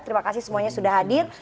terima kasih semuanya sudah hadir